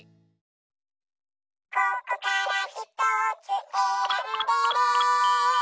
「ここからひとつえらんでね」